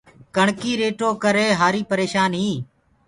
ڪڻڪي ريٽو ڪري هآري پرشآن هينٚ۔